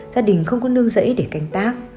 gia đình không có nương rẫy để canh tác